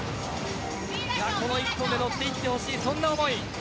この１本でのっていってほしいそんな思い。